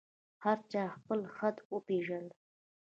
هر چا خپل حد وپېژاند.